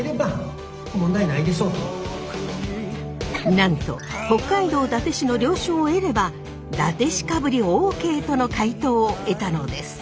なんと北海道伊達市の了承を得れば伊達市かぶりＯＫとの回答を得たのです。